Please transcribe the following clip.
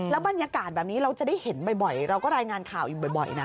บรรยากาศแบบนี้เราจะได้เห็นบ่อยเราก็รายงานข่าวอยู่บ่อยนะ